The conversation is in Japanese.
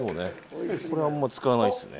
これあんまり使わないですね。